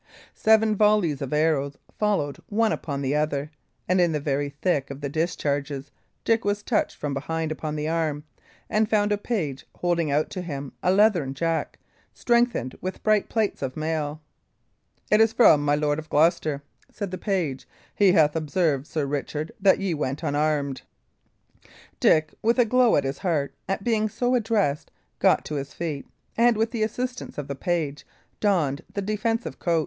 Seven volleys of arrows followed one upon the other, and in the very thick of the discharges Dick was touched from behind upon the arm, and found a page holding out to him a leathern jack, strengthened with bright plates of mail. "It is from my Lord of Gloucester," said the page. "He hath observed, Sir Richard, that ye went unarmed." Dick, with a glow at his heart at being so addressed, got to his feet and, with the assistance of the page, donned the defensive coat.